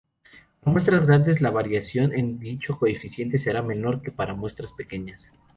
Para muestras grandes la variación en dicho coeficiente será menor que para muestras pequeñas.